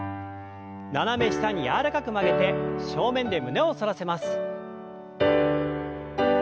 斜め下に柔らかく曲げて正面で胸を反らせます。